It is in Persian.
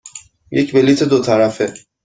یک بلیط دو طرفه.